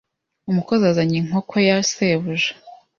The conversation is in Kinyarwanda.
umukozi azanye inkoko ya sebuja